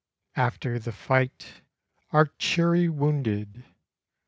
"After the fight. Our cheery wounded.